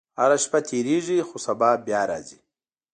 • هره شپه تېرېږي، خو سبا بیا راځي.